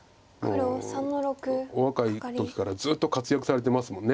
もうお若い時からずっと活躍されてますもんね。